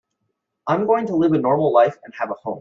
I'm going to live a normal life and have a home.